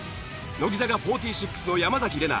乃木坂４６の山崎怜奈